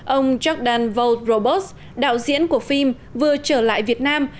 ông jordan valdrobos đạo diễn của phim vừa trở lại việt nam